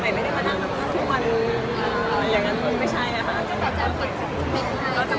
ซึ่งที่จริงเรามองได้หลายแบบจริงอ่ะค่ะ